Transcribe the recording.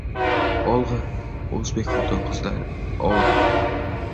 Olg‘a, o‘zbek xotin-qizlari, olg‘a!